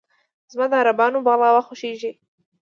زما د عربانو "بغلاوه" خوښېږي.